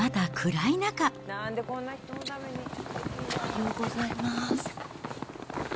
おはようございます。